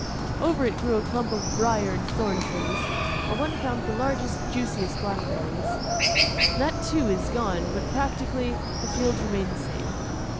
Over it grew a clump of briar and thorn trees, where one found the largest, juiciest blackberries; that too is gone, but, practically, the fields remain the same.